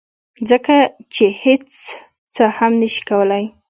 ځکه چې هیڅ څه هم نشي کولی